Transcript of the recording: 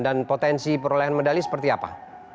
dan potensi perolehan medali seperti apa